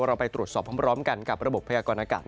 เราไปตรวจสอบพร้อมกันกับระบบพยากรณากาศ